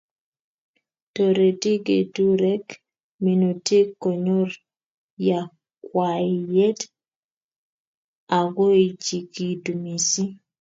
Toreti keturek minutik konyor yakwaiyet akoechikitu missing